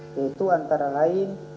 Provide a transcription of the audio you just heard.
yaitu antara lain